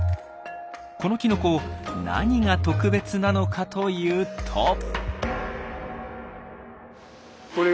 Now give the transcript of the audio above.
このきのこ何が特別なのかというと。